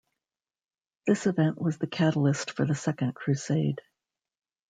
This event was the catalyst for the Second Crusade.